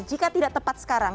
jika tidak tepat sekarang